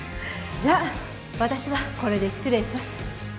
じゃあ私はこれで失礼します。